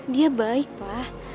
dia baik pa